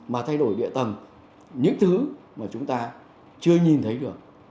mà thay đổi địa tầng những thứ mà chúng ta chưa nhìn thấy được